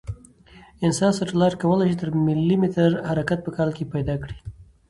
انسار سټلایټ کوای شي تر ملي متر حرکت په کال کې پیدا کړي